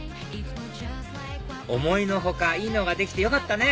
思いの外いいのができてよかったね